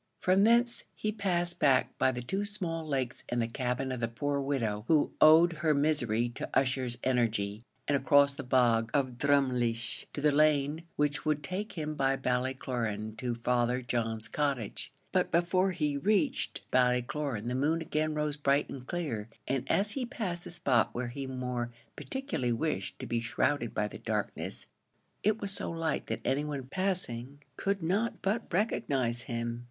From thence he passed back by the two small lakes and the cabin of the poor widow who owed her misery to Ussher's energy, and across the bog of Drumleesh to the lane which would take him by Ballycloran to Father John's cottage. But before he reached Ballycloran the moon again rose bright and clear, and as he passed the spot where he more particularly wished to be shrouded by the darkness, it was so light that any one passing could not but recognise him.